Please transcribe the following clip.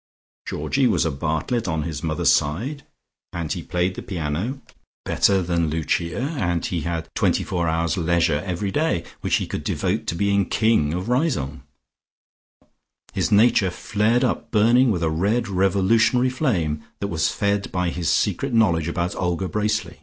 Georgie was a Bartlett on his mother's side, and he played the piano better than Lucia, and he had twenty four hours' leisure every day, which he could devote to being king of Riseholme.... His nature flared up, burning with a red revolutionary flame, that was fed by his secret knowledge about Olga Bracely.